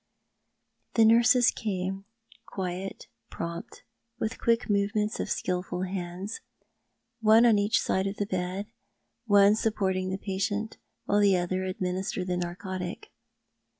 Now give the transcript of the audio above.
The nurses came, quiet, prompt, with quick movements of skilful hands — one on each side of the bed, one supporting the patient while the other administered the narcotic.